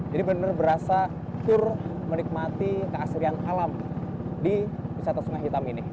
jadi benar benar berasa tur menikmati keasrian alam di wisata sungai hitam ini